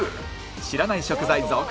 知らない食材続々！